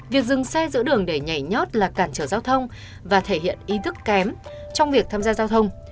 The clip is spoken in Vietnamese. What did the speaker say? việc dừng xe giữa đường để nhảy nhót là cản trở giao thông và thể hiện ý thức kém trong việc tham gia giao thông